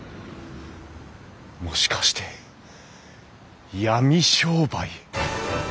もしかして闇商売。